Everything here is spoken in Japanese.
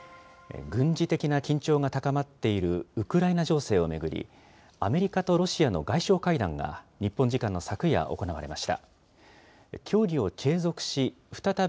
軍事的な緊張が高まっているウクライナ情勢を巡り、アメリカとロシアの外相会談が、日本時間の昨夜、行われました。